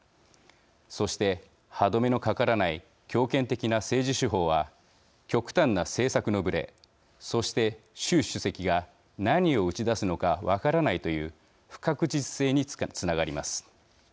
そして歯止めのかからない強権的な政治手法は極端な政策のぶれそして習主席が何を打ち出すのか分からないという不確実性につながります。